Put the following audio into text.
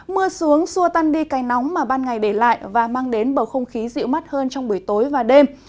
mưa xuống xua tăn đi cây nóng mà ban ngày để lại và mang đến bầu không khí dịu mắt hơn trong buổi tối và đêm